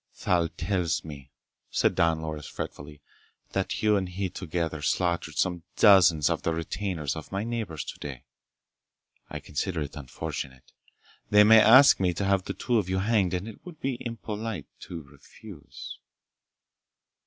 "Thal tells me," said Don Loris fretfully, "that you and he, together, slaughtered some dozens of the retainers of my neighbors today. I consider it unfortunate. They may ask me to have the two of you hanged, and it would be impolite to refuse."